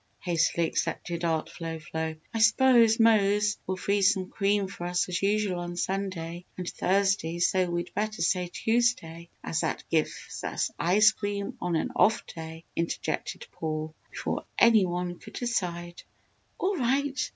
hastily accepted Aunt Flo Flo. "I s'pose Mose will freeze some cream for us as usual on Sunday and Thursday so we'd better say Tuesday, as that gives us ice cream on an off day," interjected Paul, before any one could decide. "All right!